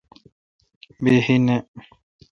بیہی نہ۔